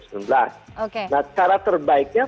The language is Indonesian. nah cara terbaiknya